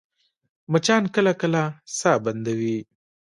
مچان کله کله ساه بندوي